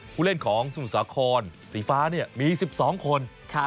ผู้เล่นของสมุทรสาครสีฟ้าเนี่ยมี๑๒คน